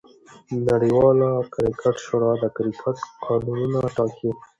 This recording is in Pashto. نړۍواله کرکټ شورا د کرکټ قانونونه ټاکي.